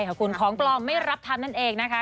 ของปลอมไม่รับทำนั่นเองนะคะ